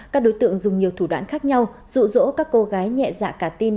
các đối tượng dùng nhiều thủ đoạn khác nhau dụ dỗ các cô gái nhẹ dạ cà tin